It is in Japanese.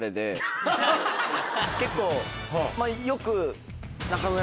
結構よく。